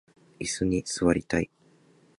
いすに座りたい